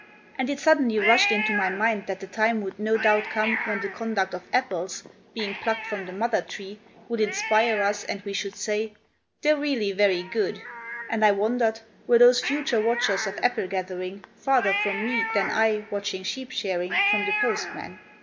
And it suddenly rushed into my mind that the time would no doubt come when the conduct of apples, being plucked from the mother tree, would inspire us, and we should say: "They're really very good!" And I wondered, were those future watchers of apple gathering farther from me than I, watching sheep shearing, from the postman?